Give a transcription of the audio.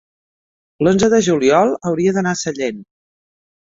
l'onze de juliol hauria d'anar a Sallent.